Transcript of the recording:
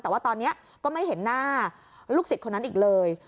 แต่ว่าตอนนี้ก็ไม่เห็นหน้าลูกศิษย์คนนั้นอีกเลย